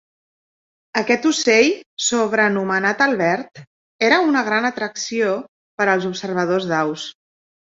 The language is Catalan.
Aquest ocell, sobrenomenat "Albert", era una gran atracció per als observadors d'aus.